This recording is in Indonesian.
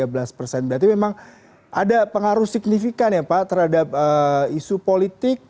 berarti memang ada pengaruh signifikan ya pak terhadap isu politik